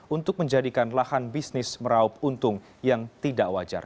untuk menjadikan lahan bisnis meraup untung yang tidak wajar